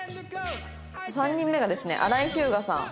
３人目がですね荒井日向さん。